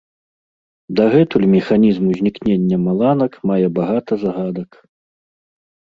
Дагэтуль механізм узнікнення маланак мае багата загадак.